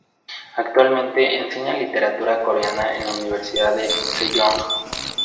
Actualmente enseña literatura coreana en la Universidad Sejong.